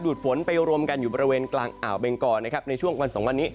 ดฝนไปรวมกันอยู่บริเวณกลางอ่าวเบงกรนะครับในช่วงวันสองวันนี้